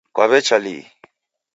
Kwaw'echa lii?